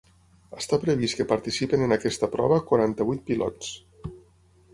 Està previst que participin en aquesta prova quaranta-vuit pilots.